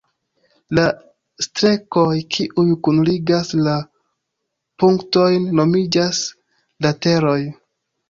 La strekoj, kiuj kunligas la punktojn, nomiĝas lateroj.